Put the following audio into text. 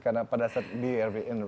karena pada saat di airbnb aku aku nonton